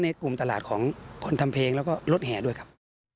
ในกลุ่มตลาดของคนทำเพลงแล้วก็รถแห่ด้วยครับ